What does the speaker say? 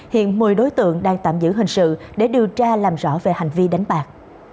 hiện một mươi đối tượng đang tạm giữ hình sự để điều tra làm rõ về hành vi đánh bạc